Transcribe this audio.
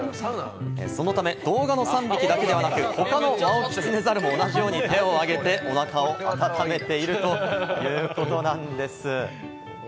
そのため動画の３匹だけではなく、他のワオキツネザルも同じように手を挙げておなかを温めているということなんです。